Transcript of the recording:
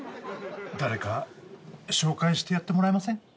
誰か紹介してやってもらえません？